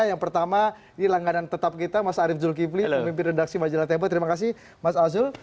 yang pertama ini langganan tetap kita mas arief zulkifli pemimpin redaksi majalah tempo terima kasih mas azul